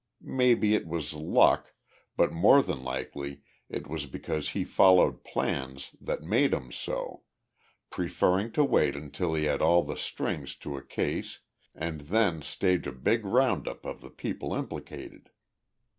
Maybe it was luck, but more than likely it was because he followed plans that made 'em so preferring to wait until he had all the strings to a case and then stage a big round up of the people implicated.